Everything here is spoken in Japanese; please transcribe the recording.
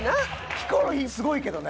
ヒコロヒーすごいけどね。